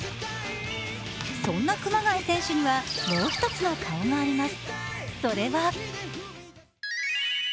そんな熊谷選手にはもう一つの顔があります。